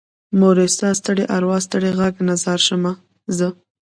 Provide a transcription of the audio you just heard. مورې ستا ستړي ارواه ستړې غږ نه ځار شمه زه